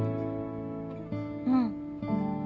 うん。